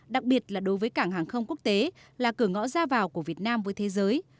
đặc biệt là đối với cảng hàng không quốc tế là cửa ngõ ra vào của việt nam với thế giới